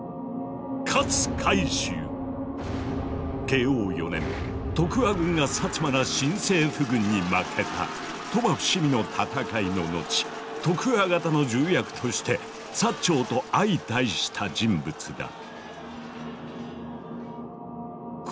慶応４年徳川軍が薩摩ら新政府軍に負けた鳥羽伏見の戦いの後徳川方の重役として薩長と相対した人物だ。